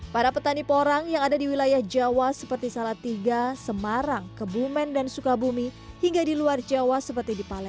para petani porang yang ada di wilayah jawa seperti salatiga semarang kebumen dan sukabumi hingga di luar jawa seperti di palembang